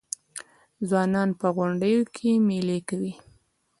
ځوانان په غونډیو کې میلې کوي.